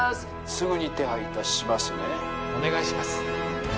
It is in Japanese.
☎すぐに手配いたしますねお願いします